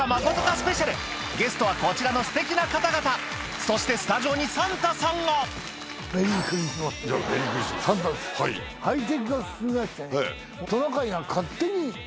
スペシャルゲストはこちらのすてきな方々そしてスタジオにサンタさんがサンタです。